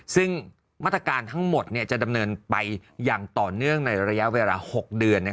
ซึ่งมาตรการทั้งหมดจะดำเนินไปอย่างต่อเนื่องในระยะเวลา๖เดือน